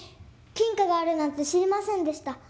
金貨があるなんて知りませんでした。